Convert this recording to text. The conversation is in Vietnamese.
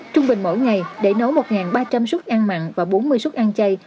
trung bình mỗi ngày để nấu một ba trăm linh suất ăn mặn và bốn mươi suất ăn chay